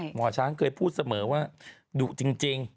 หมอช้างเคยพูดเสมอว่าดุจริง